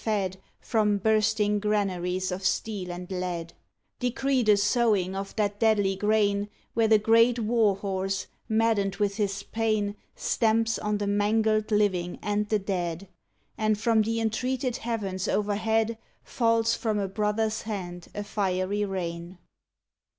fed From bursting granaries of steel and lead ! Decree the sowing of that deadly grain Where the great war horse, maddened with his pain, Stamps on the mangled living and the dead, And from the entreated heavens overhead Falls from a brother s hand a fiery rain.